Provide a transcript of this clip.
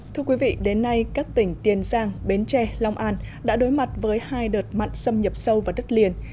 thưa quý vị đến nay các tỉnh tiền giang bến tre long an đã đối mặt với hai đợt mặn xâm nhập sâu vào đất liền